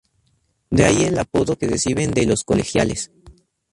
De ahí el apodo que reciben de los "Colegiales".